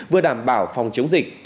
vừa đảm bảo phòng chống dịch